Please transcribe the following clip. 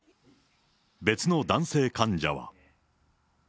別の男性患者は。